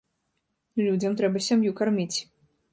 Людзям трэба сям'ю карміць.